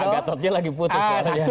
pak gatotnya lagi putus